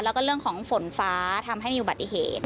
แล้วก็เรื่องของฝนฟ้าทำให้มีอุบัติเหตุ